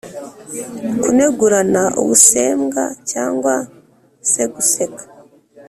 kunegurana ubusembwa cyangwa se guseka